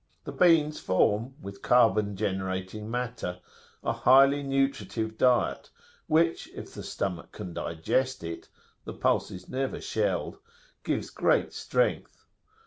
The beans form, with carbon generating matter, a highly nutritive diet, which, if the stomach can digest it, the pulse is never shelled, gives great strength.